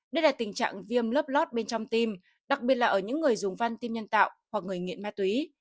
đây là tình trạng viêm lớp lót bên trong tim đặc biệt là ở những người dùng văn tim nhân tạo hoặc người nghiện ma túy